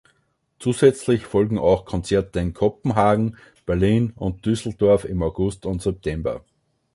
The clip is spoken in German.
Zusätzlich folgen auch Konzerte in Kopenhagen, Berlin und Düsseldorf im August und September.